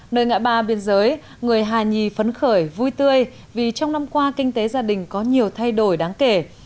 nơi ngã ba biên giới người hà nhì phấn khởi vui tươi vì trong năm qua kinh tế gia đình có nhiều thay đổi đáng kể